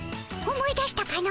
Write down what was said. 思い出したかの？